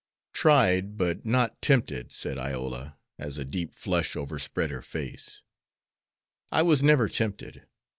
"Tried, but not tempted," said Iola, as a deep flush overspread her face; "I was never tempted.